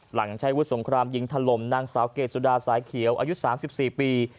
ใช้วุฒิสงครามยิงถล่มนางสาวเกรสุดาสายเขียวอายุ๓๔ปี